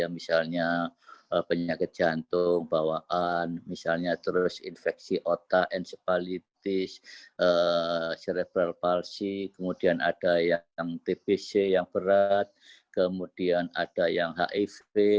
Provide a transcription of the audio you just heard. misalnya penyakit jantung bawaan misalnya terus infeksi otak encepalitis cerebral palsi kemudian ada yang tbc yang berat kemudian ada yang hiv